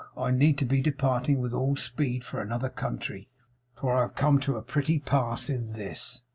I need be departing, with all speed, for another country; for I have come to a pretty pass in this!